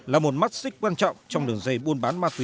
là một mắt xích quan trọng trong đường dây buôn bán ma túy